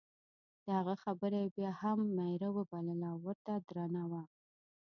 د هغه خبره یې بیا هم میره وبلله او ورته درنه وه.